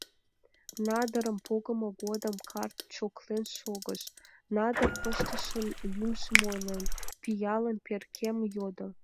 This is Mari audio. Надырым погымо годым карт чоклен шогыш, надыр пыштышын лӱмжым ойлен, пиалым, перкем йодо.